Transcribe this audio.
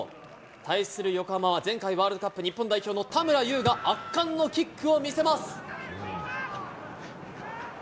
対する横浜は前回ワールドカップ日本代表の田村優が、圧巻のキックを見せます。